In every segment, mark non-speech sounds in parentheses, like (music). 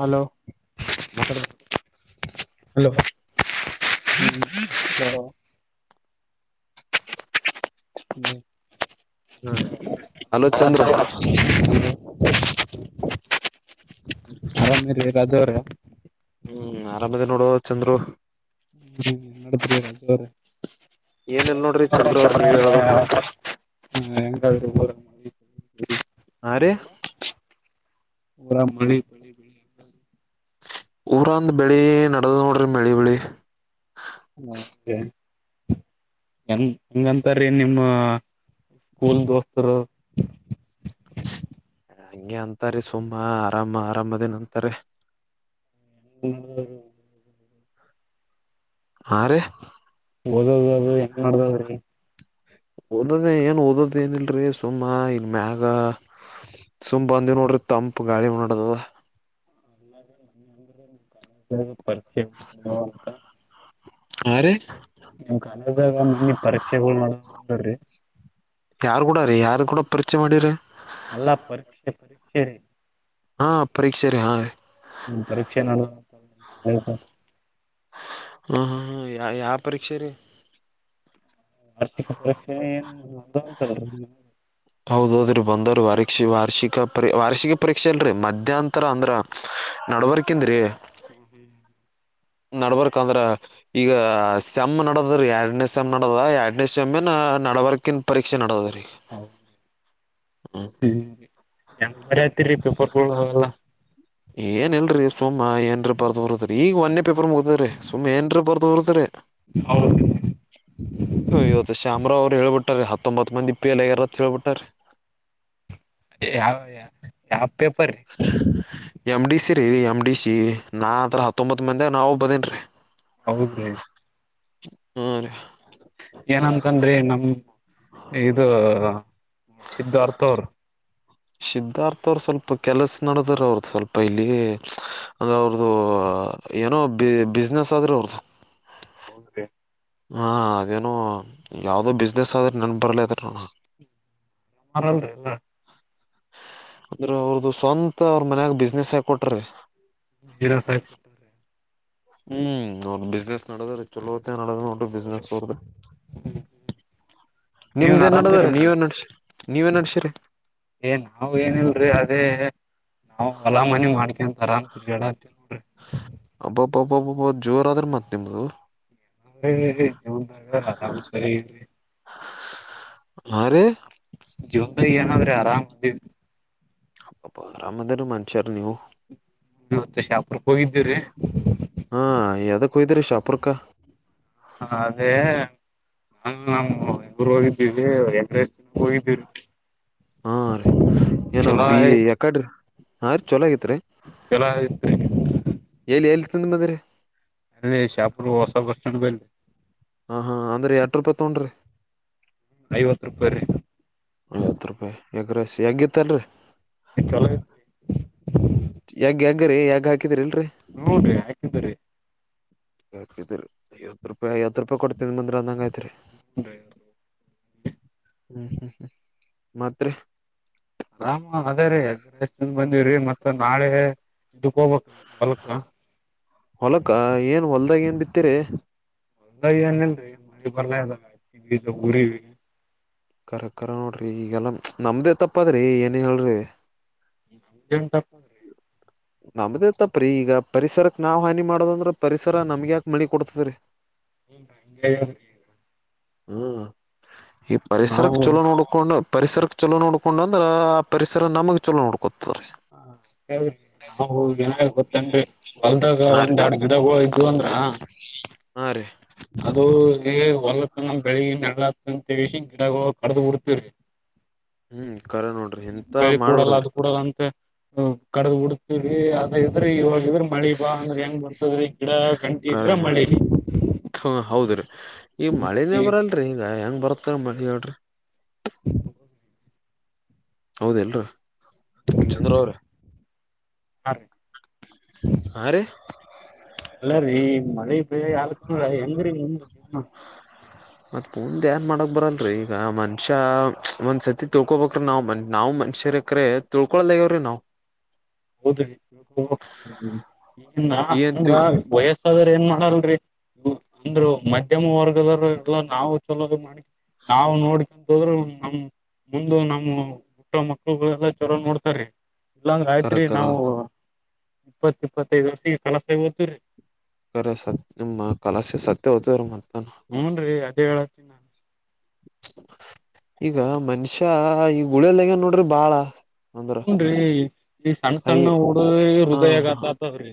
Hello hello ಹ್ಮ್ ಸ ಹ್ಮ ಹಾ ಹ ಚ ಆರಾಮೇ ರಾಜ ಅವರ ಹ್ಮ್ ಆರಾಮದ ನೋಡು ಚಂದ್ರು ಹ್ಮ ನ ತವ್ರ ಏನಲ್ ನೋಡ್ರಿ ಚಂದ್ರು ಅವ್ರ ನೀವ್ ಹೇಳ್ಬೇಕ್ರಿ (inaudible) ಹಾ ರೀ ಊರ ಮಳಿ ಬಳಿ ಬಳಿ ಊರಂದ ಬೆಳಿ ನಡದ್ ನೋಡ್ರಿ ಮಳಿ ಬೆಳಿ ಹಂಗ ಹೆಂಗಂತಾರೀ ನಿಮ್ ಕನ್ ದೋಸ್ತರ ಹಂಗೆ ಅಂತಾರ ಸುಮ್ಮ ಆರಾಮ ಆರಾಮದನ್ ಅಂತಾರ ಹ ಹಾ ರ ಓದದ ಅದು ಹೆಂಗ್ ಮಾಡದದ್ರೀ ಓದದ ಏನ್ ಓದೋದ ಏನಿಲ್ರಿ ಸುಮ್ಮ ಇನ್ ಮ್ಯಾಗ ಸುಂಬ್ ಬಂದಿವ್ ನೋಡ್ರಿ ತಂಪ ಗಾಳಿಡದದ ಚ ಹಾ ರೀ ನಿಮ್ ಕಾಲದಾಗ ಮನ್ನಿ ಪರೀಕ್ಷೆ ಮಾಡ್ರಿ ಯಾರ್ು ಕೂಡ ರೀ ಯಾರು ಕೂಡ ಪರಿಚಯ ಮಾಡಿರಿ ಅಲ್ಲ ಪರೀಕ್ಷೆ ಪರೀಕ್ಷೆ ಹಾ ಪರೀಕ್ಷೆ ರೀ ಹಾ ರೀ ಹ ಪರೀಕ್ಷೆ ನಾನ ಹ್ಮ ಹ್ ಹ್ಮ ಯಾವ ಪರೀಕ್ಷೆ ರೀ ವಾರ್ಷಿಕ ಪರೀಕ್ಷೆ ಏನ್ ಅಂತ ಹೌದೌದ್ರಿ ಬಂದವ್ರಿ ವಕ್ಷ ವಾರ್ಷಿಕ ಪರ ವಾರ್ಷಿಕ ಪರೀಕ್ಷೆ ಅಲ್ರರಿ ಮಧ್ಯಾಂತರ ಅಂದ್ರ ನಡವಕೆಂದ್ರೀ ಹ್ಮ್ ಹ್ಮ್ ನಡ್ಬಕ್ ಅಂದ್ರ ಈಗ ಸಮ್ ನಡದ್ರ ಎರಡನೇ ಸಮ್ ನಡದ ಎರಡನೇ ಸಾಮನ ನವರ್ಕನ್ ಪರೀಕ್ಷೆ ನಿದೆ ಹೌ ಹ್ಮರ ತಿರಿ ಪೇಪರ್ಬ ಎಲ್ಲ ಏನ್ ಇಲ್ರರಿ ಸುಮ್ ಏನ್ರ ಬರ್ದು ಬರ್ತರಿ ಈಗ ಒನ್ನೇ ಪೇಪರ್ ಮುಗತಾರ ಸುಮ್ ಏನ್ರ ಬರ್ದು ಬರ್ತಾರೆ ಅವೆಲ್ಲ ಹ ಒತ್ತ ಶಾಮರ ಹೇಳ್ಬಿಟ್ಟಾರೆ ಹತ್ತೊಂಬತ್ತು ಮಂದಿ ಪಿ ಎಲ್ಗಾರತ್ ಹೇಳ್ಬಿಟ್ಟ್ರ ಯಾವ ಯಾವೇ ಎಮ ಡಿ ಸಿ ೀೀ ಎಮ್ ಡಿ ಸಿ ನಾತ್ರ ಹತ್ತೊಂಬತ್ ಮಂದ ನಾವವು ಬದೇನ್ೀ ಹೌದ್ರೀ ಹ್ಮ್ ಏನಂತನ್ರಿ ನಮ್ ಸ್ಧಾರ್ಥರ್ ಸಿದ್ಧಾರ್ಥ ಅವ್ರ ಸ್ವಲ್ಪ ಕೆಲ್ಸ ನಡದಾರ ಅವ್ರದ ಸ್ವಲ್ಪ ಇಲ್ಲಿ ಅಂದ್ರೆ ಅವ್ರದು ಏನೋ ಬಿಸ್ನೆಸ್ ಆದ್ರೂ ಅವ್ರದುು ಹೌದುದ. ಹಾಂ ಅದೇನು ಯಾವುದೋ ಬಿಸ್ನೆಸ್ ಆದ್ರೆ ನನ್ಗೆ ಬರಲದ ನ. ನ ಮರ ಇಲ್ಲ. ಅಂದ್ರೆ ಅವ್ರದು ಸ್ವಂತ ಅವ್ರ ಮನ್ಯಾಗ ಬಿಸ್ನೆಸ್ ಹಕ ಕೊಟ್ರ. ವಿಜಯ ದಾಸಹ ಕೊಡ್ಟ್ಟಾರೆ. ಹ್ಮ್ ನ ಬಿಸ್ನೆಸ್ ನಡದ್ರ ಚಲೋತ್ತ ನಡದ ನೋ ಬಿಸ್ನೆಸ್ ನೀವನ್ ನಿಮ್ದೇನ್ ನಡದ್ರೀ ಆರಾಮಿರಲ್ರಿ ನೀವೇನ್ ನಡ್ಸಿ ನೀವೇನ್ ನಡ್ಸಿರಿ. ಏ ನಾವ ಏನಲ್ರಿ ಅದೇ. ನಾವವು ಅಲಾಮನಿ ಮಾಡ್ಕ ಅಂತ ಆರಾಮ್ ತಿರ್ಗಡ ಅತ್ತೇ ನೋಡ್ರಿ. ಹಬ್ಬಬ್ಬಬ್ಬಬ್ಬಬ್ಬ ಜೋರ ಆದ್ರೆ ಮತ್ ನಿಮ್ದು. ಹ ಜೋನ್ಾಗ ಅಾಮ ಸರಿ. ಹಾ ರೀ. ಜೂನ್ಾನ ಅವರ ಅರಾಮ ಮ. ಅರಾಮದರ ಮನುಷಾರ ನೀವು. ನೀವತ್ತ ಶಾಪುರಕ್ಕೆ ಹೋಗಿದ್ದೀ್ರರಿ. ಹಾ ಎದಕ್ ಹೋಯ್ದ್ರಿ ಶಾಪುರ್ಕ ಹ ಅದೇ. ನಾ ನಮ್ಮ ಇರು ಹೋಗಿದ್ದೀವಿ ಎಂಗಷ್ಟ ದಿನಕ್ಕೆ ಹೋಗಿದ್ದೀ್ರ. ಹಾ ರರಿ ಏನೋ ಬಿ ಆಯ್ತ್ ಯಕಾಡೆ ಹ ರೀ ಚೊಲಾಗಿ. ಚಲೋ ಆಯ್ತ್ರಿ ಎಲ್ಲಿ ಎಲ್ಲಿ ನಿದರ. ಅಲ್ಲ ಶಾಪು ಹೊಸ ಬರ್ ಬಿ. ಹ ಹಾ ಅಂದ್ರೆ ಎಟ ರೂಪಾಯಿ ತಗೊಂಡ್ರಿ. ಐವತ್ ರೂಪಾಯಿ ರೀ. ವತ್ತು ರೂಪಾಯಿ ಯಕ್ರಸ್ ಯಗಿತ್ತಲ್ರರಿ. ಚಲೋ. ಯಂಗ್ಯಾಂಗ ರೀ ಯ ಹಾಕ. ನೋಡ್ರಿ ಆಾಕಿದ್ದ್ರೀ. ಹಾಕಿದ್ರರಿ ಐವತ್ತು ರೂಪಾಯಿ ಐವತ್ತು ರೂಪಾಯಿ ಕೊಡ್ತ ನಿ ಬಂದ್ರೆ ಅಂದಂಗ ಯತ್ರಿ. ಹೌದ. ಹ್ಮ್ ಹ್ಮ್ ಹ್ಮ್ ಮಾತ್ರ. ಆರಾಮ ಅದೇ ರೀ ಎದ ಎಷ್ಟಿಂದ ಬಂದಿವ್ರರಿ ಮತ್ತ ನಾಳೆ. ಇದಕ್ ಹೋಗಬ್ರೀ ಹೊಲ್ಕ್. ಹೊಲಕ ಏನ್ ಹೊಲ್ದಾಗ ಎನ್ ಬಿಿತ್ತಿರ. ಒಂದ ಏನಲ್ರಿ ಮಳಿ ಬರ್ಲಾ ಇದದಾಗಜ ಊರಿ. ಕಖರೆ ಕರ ನೋಡ್ರಿ ಈಗೆಲ್ಲ ನಮ್ದೇ ತಪ್ಪದ್ರಿ ಏನ ಹೇಳ್ರಿ. ನಮ್ಡೆನ್ ತಪ್ಪದ್ರಿ. (unintelligible) ನಮ್ದೇ ತಪ್ಪ್ರೀ ಈಗ ಪರಿಸರಕ್ ನಾವ್ ಹಾನಿ ಮಾಡೋದಂದ್ರ ಪರಿಸರ ನಮ್ಗ್ಯಾಾಕ ಮಣಿ. ಕೊಡ್ತ ರೀ. ಹ್ಮಾ ಹ. ಹ್ಮ್ ಈ ಪರಿಸರಕ್ಕೆ ನಾವು ಚಲೋ ನೋಡ್ಕೊಂಡು. ಪರಿಸರಕ್ಕೆ ಚೊಲೋ ನೋಡ್ಕೊಂಡುಂದ್ರ ಆ ಪರಿಸರ ನಮಗೆ ಚಲೋ ನೋಡ್ಕೊತ ರೀ. ಹ್ರಿ ನಾವು ಹಏನ ಗೊತ್ತನ್ರಿ. ಹೊಲ್ದಾಗ ಹಾ ರೀ ಒಂದ್ ಎರಡ್ ಗಿಡಗಳು ಇದ್ವು ಅಂದ್ರ. ಹಾ ರೀ ಅದು ಹೊಲಕ್ಕ ನಮ ಬೆಳಿಗಿ ನ ಎತಂತಸಿ ಗಿಡಗಳು ಕಡ್ದ ಬಿಡ್ತವ್ರಿ. ಹ್ಮ್ ಕರೆ ನೋಡ್ರಿ ಇಂತ ಕರಿ ಕೂಡಲ್ಲ ಮಾಡ್ಬಿಡದ್ರಿ ಅದು ಕೂಡಲ್ಲ ಅಂತ. ಹ ಕಡ್ದ ಉಡ್ತಿ. ಇದ್ರ ಇವಾಗಿದ್ರೆ ಮಳಿ ಬಾ ಅಂದ್ರೆ ಹೆಂಗ ಬರ್ತದ ಈ ಗಿಡ ಗಂಟಿ ಇದ್ರ ಮಳೆ. ಹ ಹೌದ್ರಿ ಈಗ ಮಳನೇ ಬರಲ್ರಿ ಈಗ ಹೆಂಗ ಬರತ್ತಾರ ಮಳಿ ಹೇಳೋ್ರಿ. (unintelligible) ಹೌದ ಎಲ್ರ ಚಂದ್ರ ಅವ್ರ. ಹ ರಿ ಹಾ ರೀ ಅಲ್ಲ ರೀ ಮಳೆ ಬೆಳಿ ಹೆಂಗ್ರೀ ಮುಂದವನ ಹ (inaudible) ಮತ್ ಪೂಂದ ನ್ ಮಾಡಕ್ ಬರಲ್ರರಿ ಈಗ ಮನುಷ್ಯ ಒಂದ್ ಸತಿ ತೊಕೋಬ್ರ ನಾ್ನ್ ನಾ್ ಮನ್ಷ್ಯ ರಕ್ರೆ ತಳ್ಕೊಳದಾಗ್ಯವ್ರೀ ನಾವವು ಹೌದ್ರಿ ಈ ಏನ್ ಅಂದ್ರ ತಿಳ್ ವಯಸ್ಸಾದ್ರ ಏನ್ ಮಾಡಲ್ರಿ ಅಂದ್ರು ಮಧ್ಯಮ ವರ್ಗದರು ಎಲ್ಲ ನಾವು ಚಲೋ ಮಾಡಿ ನಾವವು ನೋಡ್ಕಂತ ಹೋದ್ರರು ನಮ ಮುಂದು ನಮ್ಮ ಹುಟ್ಟ ಮಕ್ಕಳುಗಳೆಲ್ಲ ಚರ ನೋಡ್ತಾರೆ ಇಲ್ಲ ಕರೆ ತ್ರಿ ಕರೆ ನಾವು ಇಪ್ಪತ್ ಇಪ್ಪತ್ತೈದು ವರ್ಷಗ ಕೆಲಸ ಹೋತವೀ ಕರೆ ಸ ನಿಮ್ಮ ಕಲಸ್ಯ ಸತ್ಯ ಹತ್ರ ಮ ಹ್ಞನ್ ರೀ ಅದೇ ಹೇಳತೀನಿ ನಾನು ಈಗ ಮನುಷ್ಯ ಈ ಗುಳಲ್ಗನ್ ನೋಡ್ರಿ ಬಾಳ ಅಂದ್ರ ಹನ್ರಿ ಈ ಸಣ್ಣ ಐ ಸಣ್ಣ ಡ ಹೃದಯಗತತದ್ರೀ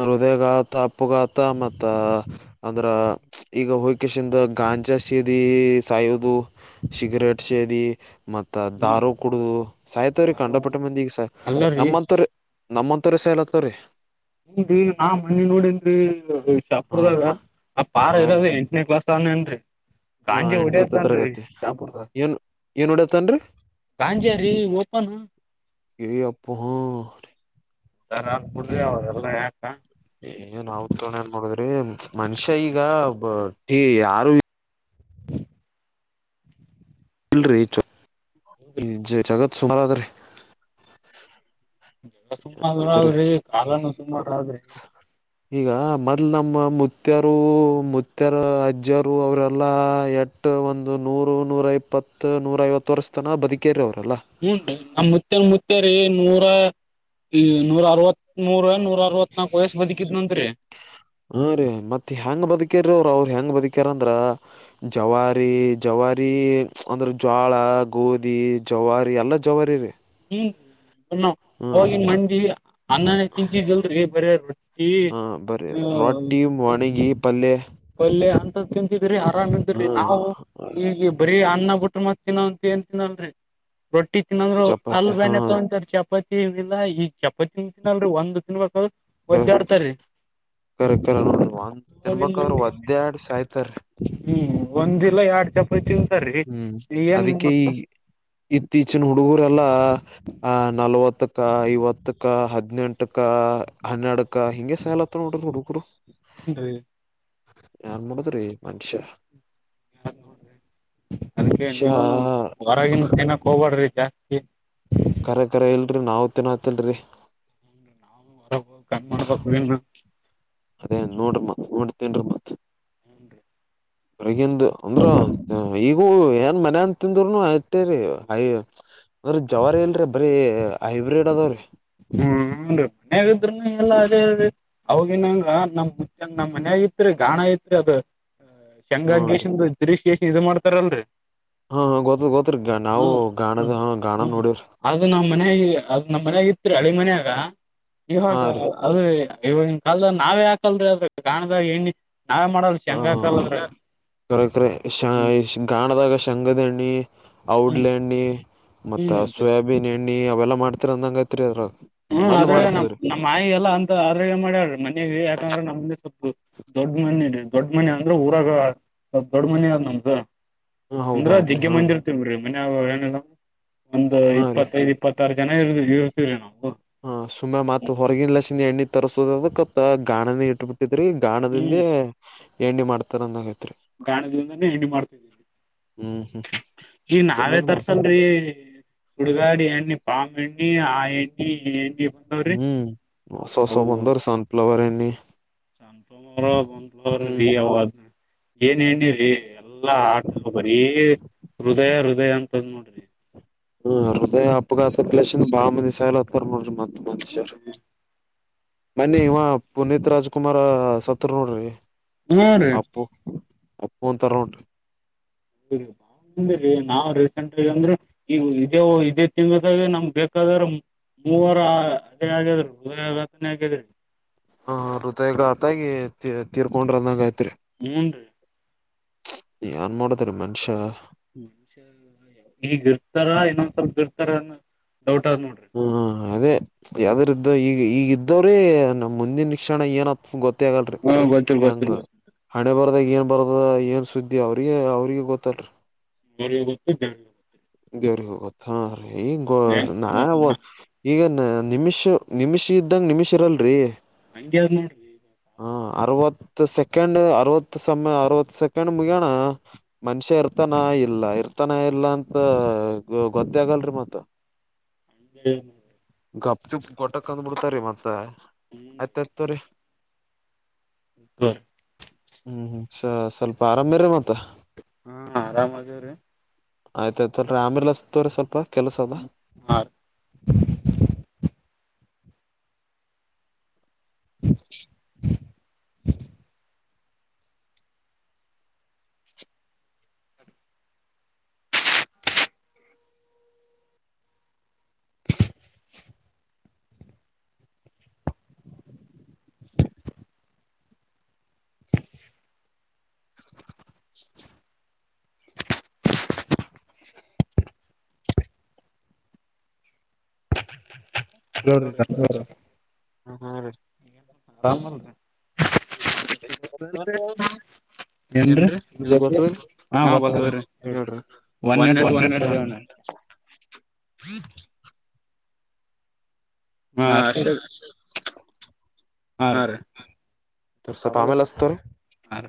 ಹೃದಯಘಾತ ಅಪ್ಪುಘಾತ ಮತ್ತ ಅಂದ್ರ ಈಗ ಹುಕಷಿಂದ ಗಾಯ ಚ ಶ ಸಾಯದು ಸಿಗರೆಟ್ ಶೇ ಮ ದಾರು ಕುಡುದು ಸಹತವ್ರೀ ಕಂಡಪಟ್ಟ ಮಂದಿ ಈಗ ಸ ಅಲ್ಲರಿ ನಮ್ಮಂತವ್ರ ನಮ್ಮಂತ ರೀ ಸ ಎಲತ್ತವ ರೀ ಹಿ ನಾ ಮನಿ ನೋಡನ್ ಹಾಂ ಶಾಪುರದಾಗ ಆ ಪಾರ ಹಾಂ ರೀ ಇರದ ಎಂಟನೇ ಕ್ಲಾಸ್ ನನ್ರಿ ಹಾಂ ಗಾಂಜೆ ಎಂಟನೇ ಒಡದತನ್ ತರಗತಿ ಸಾಪುವ ಏನು ಏನು ಹೊಡಿಯತ್ತಾನ ರೀ ಗಾಂಜಾರಿ ಓಪನು ಏ ಅಪ್ಪ ಹಾ ಬಿಡ್ರಿ ಅವೆಲ್ಲಾ ಯಾಕ ಏ ನವು ತರಣ ಏನ್ ಮಾಡೇ ಮನುಷ್ಯ ಈಗ ಯಾರು ಇಲ್ರರಿ ಜಗತ್ ಸುಮಾರದ್ರಿ ಎಲ್ಲ ರೀ ಸುಂಬದ್ರಿ ಕಾಲನು ಸುಂಬದ್ರಿ ಈಗ ಮೊದ್ಲು ನಮ್ಮ ಮುತ್ತರು ಮುತ್ತರು ಅಜ್ಜರು ಅವರೆಲ್ಲಾ ಎ ಒಂದು ನೂರು ನೂರ ಇಪ್ಪತ್ತು ನೂರ ಐವತ್ತು ವರ್ಷ ತನ ಬದುಕೇರಿ ಅವ್ರು ಹೂ ನಮ ಮುತ್ತೇ ಮುತ್ತೇರಿ ನೂರ ನೂರ ಅರವತ್ ನೂರ ನೂ ಹ ರೀ ಮತ್ತೆ ಹೆಯಾಂಗ ಬದುಕೇರ ಅವರು ಅವ್ರ ಹೆಂಗ್ ಬದುಕ ಕರಂದ್ರ ಜವಾರಿ ಜವಾರಿ ಅಂದ್ರೆ ಜ್ವಾಳ ಗೋಧಿ ಜವಾರಿ ಎಲ್ಲ ಜವಾರಿ ರೀ ಹ್ಮ ಹಾಂ ಹೋಗಿ ಮಂದಿ ಅನ್ನ ತಿಚಿದಲ್ರಿ ಬರ ರೊಟ್ಟಿ ಬರ ರಾಟ್ಟಿಯು ವಣಗಿಯ ಪಲ್ಯ ಪಲ್ಯ ಅಂತ ತಿಂತಿದ್ರಿ ಆರಾಮ್ ಅಂತಿ ಹಾಂ ನಾವು ಈಗ ಬರೀ ಅಣ್ಣ ಬಿಟ್ಟ್ರ ಮತ್ ತಿನ್ನಂತ ಏನ್ ತಿನ್ನಲ್ರಿ ರೊಟ್ಟಿ ತಿನ್ನಂದ್ರು ಚಪಾತಿ ಆಲಲು ಬಾನೆ ಹಾಂ ತಗೊಂತಾರ ಚಾಪ ಪ ಏನಿಲ್ಲ ಈಗ ಚಪ್ಪತ್ತಿನ ತಿನಲ್ ಒಂದ್ ತಿನ್ಬೇಕ ಒದ್ದಾಡ್ತಾರ ಕರ್ ಕ ತಿನ್ಬಕ ಅವ್ರ ಮಂದಿ ಒದ್ದ್ಯಾಡ್ ಸಾಯ್ತರ್ ಒಂದಲ್ಲ ಯಾಡ್ ಚಪಯತು ಹ್ಮ್ ಅದಿಕ್ಕೆ ಈ ಇತ್ತೀಚಿನ ಹುಡುಗರ ಲ್ಲ ನಲ್ವತ್ತಕ್ಕ ಐವತ್ತ ಕ್ಕ ಹದ್ನೆಂಟಕ ಹನ್ನೆರಡಕ್ಕ ಹಿಗೆ ಸಲತ್ತ ನೋಡ್ರಿ ಹುಡುಗರು ಹಏನ್ ನ್ ಮೂಡದ ರೀ ಮನುಷ್ಯ ಅದಕ್ಕೆ ಮನುಷ್ಯ ನೀವನು ಹೊರಗಿನ ತಿನ್ನಕ್ ಹೋಗ್ಬಾಡ್ರಿ ಜಾಸ್ತಿ ಕರೆ ಕರ ಇಲ್ರಿ ನಾವು ತಿನ್ನತಿಲ್ರಿ ರ ಕಣ ಮಾಡ ಅದೇ ನೋಡ್ರಿಮ್ಮ ನೋಡತೇನ್ರಿಿ ಮತ್ ಇನ್ನು ಹೊಗಿಂದು ಅಂದ್ರ ಈಗೂ ಏನ್ ಮನನ್ ತಿಂದರುನು ಅಟ್ಟೇರಿ ಹಯ ಅದ್ರೀ ಜವಾರ ಇಲ್ರರಿ ಬರಿೀ ಹೈಬ್ರಿಡ್ ಅದಾವ್ರೀ ಹ್ಮನ್ೀ ಮನ್ಯಾಗಿದ್ರ ಎಲ್ಲ ಅದೇ ಅ ಅವಗಿನಂಗ ನಮ್ ಮು ನಮ್ಮ ಮನ್ಯಾಗ ಇತ್ರಿ ಗಾಣ ಐತ್ರಿ ಅದ ಶೇಂಗ ಹ್ಮ್ ರೀ ಗೀಷನ್ ಗಿರೀಶ್ ಗೀಷನ್ ಇದು ಮಾಡ್ತಾರಲ್ರರಿ ಹಾ ಗೊತ್ತ ಗೊತ್ರಿ ನಾವು ಗಾಣದ ಹ ಗಾಣ ಹ್ಮ ನೋಡವ್ರಿ ಅದು ನಮ್ಮ ಮನಗೆ ಅದು ನಮ್ಮ ಮನ್ಯಾಗ ಇತ್ರಿ ಹಳಿ ಮನ್ಯಾಗ ಹಾ ನೀವಾಗ ರೀ ಅದು ಇವಿನ ಕಾಲದ ನಾವೇ ಹಾಕಲ್ರಿ ಅದ್ರ ಕಾಣದಾಗ ಎಣ್ಣಿ ನಾವೇ ಮಾಡಲ್ ಶ ಹೆಂಗ ಹ ಹಾಕಲ್ಲದ್ರ ಕರೆ ಕರೆ ಶ ಗಾಣದಾಗ ಶಂಗದಹಣ್ಣ ಹ್ಮ್ ಔಡ್ಲೆ ಹಣ್ಣಿ ಮತ್ತ ಹ್ಮ್ ಸೋಯಾಬೀನ್ ಎಣ್ಣಿ ಅವೆಲ್ಲಾ ಮಾಡ್ತೀರಿ ಅಂದಂಗ ಐತ್ರಿ ಅದ್ರ ಹ್ಮ್ ಆದ್ರ ನಮ್ ನಮ್ಮ್ಾಯಿ ಎಲ್ಲ ಅಂತ ಆದ್ರ ಮಾಡ್ಯಾ್ರಿ ಮನ್ಯಗೆ ಯಾಕಂದ್ರೆ ನಮ ಸ್ವಲ್ಪ ದೊಡ್ಡ ಮನೆ ದೊಡ್ಡ ಮನ ಅಂದ್ರೆ ಊರಾಗ ದೊಡ್ಡ ಮನ ಅಂತ ಹಾ ಅಂದ್ರ ಹೌದೌದ್ರಿ ಜಜಗ್ಗೆ ಹಾ ರೀ ಮಂದಿರ್ತವಿೀ ಮ ನವು ಏನಿಲ್ಲ ಒಂದು ಹಾ ರೀ ಇಪ್ಪತ್ತೈದು ಇಪ್ಪತ್ತಾರು ಜನ ಇ ಇರ್ತೀ್ರಿ ನಾವು ಹಾ ಸುಮ್ಮನೆ ಮತ್ ಹೊರಗಿಲ್ಲ ಸಿನಿ ಎಣ್ಣಿ ತರ್ಸೋದ ಅದತ್ತ ಗಾಣನೇ ಇಟ್ಬಿಟ್ಟು ್ರಿ ಹ್ಮ್ ಗಾಣದಿಂದೆ ಎಣ್ಣಿ ಮಾಡ್ತಾರಂದಗೆ ಗಾಣದ್ರಿಂದಾನೇ ಹೆಣ್ಣಿ ಮಾಡ್ತಾ ಇದೀಲ್ಲಿ ಹ್ಮ್ ಹ್ಮ ಹ್ಮ ಈ ನಾವೇ ತರ್ಸಲ್ರಿ ಹುಡುಗಾಡಿ ಎಣ್ಣಿ ಪಾಮ ಎಣ್ಣಿ ಆ ಎಣ್ಣೆ ಹ್ಮ್ ಸಸವ ಬಂದರ ಸನ್ಫ್ಲವರ್ ಎ ಸಂತರ ಗಂತ್ರ ರೀ ಅವ್ ಏನ್ ಹೆ್ಣಿ ರೀ ಎಲ್ಲಾ ಆಟ ಬರೀ ಹೃದಯ ಹೃದಯ ಅಂತಂದ್ ನೋಡ್ರಿ ಹ್ಮ ಹೃದಯ ಅಪಘಾತ ಪ್ಲೇಂದ ಬಾಳ ಮಂದಿ ಸಾಯಾಲ ಹತ್ತಾರ ನೋಡ್ರಿ ಮತ್ತತ್ ಮ ಪುನತ್ ರಾಜ್ಕುಮಾರ್ ಸತ್ರು ನೋಡ್ರಿ ಹ್ಮ ರೀ ಅಪ್ಪು ಅಪ್ಪ ಅಂತರ ಉಂಟು ಎೂಪ ನಾವ್ ರೀಸೆಂಟ್ಗ ಅಂದ್ರೆ ಈ ಇದೇ ಇದೇ ತಿಂದಾಗ ನಮ್ಗ್ ಬೇಕಾದ್ರ ಮೂವರು ಅದೇ ಆಗಿದ್ರು ಹತನೇ ಆಗಿದ್ರ ಹ ೃದಯಗ ಆತಾಗಿ ತೀರ್ಕೊಂಡ್ರ ಅನ್ನಾಗಯತ್ರಿ ಹಏನ್ೀ ಏನ್ ಮಾಡದ್ರ ಮನುಷ್ಯ ಹ್ಮ ಈಗ ಇರ್ತಾರ ಇನ್ನೊಂದ್ಸಲ್ಪ ಇರ್ತಾರ ಡೌಟ್ ಆದ್ ನೋಡ್ರಿ ಹ್ಮ ಹಾ ಅದೇ ಯಾವ್ದ್ರ ಇದ್ದ ಈಗ ಈಗ ಇದ್ದವ್ರೀ ನಮ್ ಮುಂದಿನ ಕ್ಕ್ಷಷಣ ಏನತ್ ಗೊತ್ತ ಆಗಲ್ರಿ ಹಾ ಗೊತ್ತಿಲ್ ಗೊತ್ತಿಲ್ ಹೆಂಗ ಗೊತ್ತಿಲ್ ಹಣೆ ಬರದಾಗಿ ಏನ್ ಬರದ ಏನ್ ಸುದ್ದಿ ಅವ್ರಿಗೆ ಅವ್ರಿಗೆ ಗೊತ್ತಲ್ರಿ ಮೋಗುತ್ತೆ ಜ ಗೊುತ್ತೆ ದೇವ್ರ ಗೊತ್ತೀ ಈಗ ನಾ ಗೊತ್ತು ಮತ್ತ ಈಗ ನಿಮಿಷ ನಿಮಿಷ್ ಇದ್ದಂಗ ನಿಮಿಷ್ ಇರಲ್ರರಿ ಹಂಗೆದ್ ನೋಡ್ರಿ ಹ ಅರವತ್ತು ಸೆಕೆಂಡ್ ಅರವತ್ತು ಸಮಯ ಅರವತ್ತು ಸೆಕೆಂಡ್ ಮುಗಿಯೋಣ ಮನುಷ್ಯ ಇರ್ತ ಇರ್ತಾನ ಇಲ್ಲ ಇರ್ತಾನ ಇಲ್ಲ ಅಂತ ಗೊತ್ತೇ ಆಗಲ್ರರಿ ಮತ್ತ ಹ ಗಪ್ ಚುಪ್ ಗಟ್ಟಕ್ ಕಂದ್ ಬಿಿಡ್ತಾರೀ ಮತ್ತ ಆಯ್ತ ಆಯ್ತರಿ ಕ್ಕರ್ ಹ್ಮ್ ಹ್ಮ್ ಸ ಸ್ವಲ್ಪ ಆರಾಮ್ಯ್ರ ಮತ್ತ ಹಾ ಆರಾಮ್ದೇವ್ರೀ ಆಯ್ತಾಯಯ್ತ್ರರಿ ಆ್ಯಂಬುಲೆನ್ಸ್ ತೋ್ರ ಸ್ವಲ್ಪ ಕೆಲಸ ಅದ ್ಮ ಹ (inaudible) ಜೋ್ರೋ ಹ್ಮ (inaudible) ಏನ್ರಿ ಏನ್ರೀ ಇದು ಗೊತ್ತ ಹಾ ಗೊತ್ತ್ರಿ ಹೇಳ್ರಿ ಒನ್ ನಿನಟ್ ಒನ್ ನಿನಟ್ ಹಾ ಅಷ್ಟೇ ಹಾ ರ ಹಾ ತಸವಪಮೇಲೆಿಸತ ರ ರೀ